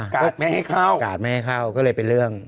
ไม่ให้เข้ากาดไม่ให้เข้าก็เลยเป็นเรื่อง